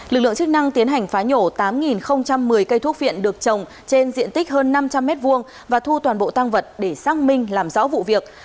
lực lượng chức năng tiến hành phá nhổ tám một mươi cây thuốc viện được trồng trên diện tích hơn năm trăm linh m hai và thu toàn bộ tăng vật để xác minh làm rõ vụ việc